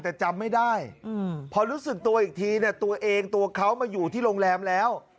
แต่จำไม่ได้พอรู้สึกตัวอีกทีเนี่ยตัวเองตัวเขามาอยู่ที่โรงแรมแล้ว